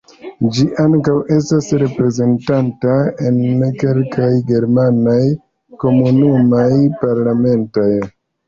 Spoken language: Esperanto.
Ĝi ankaŭ estas reprezentata en kelkaj germanaj komunumaj parlamentoj.